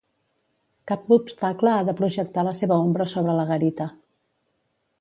Cap obstacle ha de projectar la seva ombra sobre la garita.